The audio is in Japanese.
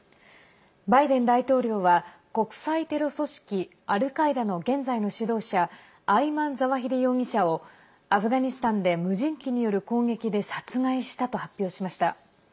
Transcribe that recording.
バイデン大統領は国際テロ組織アルカイダの現在の指導者アイマン・ザワヒリ容疑者をアフガニスタンで無人機による攻撃で殺害したと発表しました。